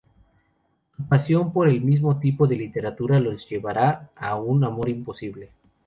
Su pasión por el mismo tipo de literatura los llevará a un amor imposible.